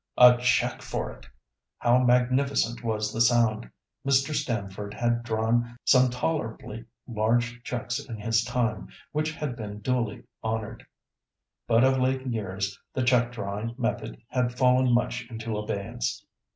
"A cheque for it!" How magnificent was the sound. Mr. Stamford had drawn some tolerably large cheques in his time, which had been duly honoured, but of late years the cheque drawing method had fallen much into abeyance.